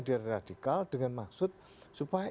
dia radikal dengan maksud supaya